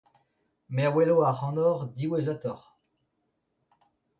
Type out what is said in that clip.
Me a welo ac'hanoc'h diwezhatoc'h.